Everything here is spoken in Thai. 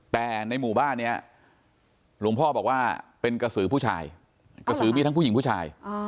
แต่ในหมู่บ้านนี้หลวงพ่อบอกว่าเป็นกระสือผู้ชายกระสือมีทั้งผู้หญิงผู้ชาย